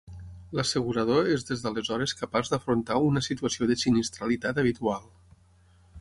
L'assegurador és des d'aleshores capaç d'afrontar una situació de sinistralitat habitual.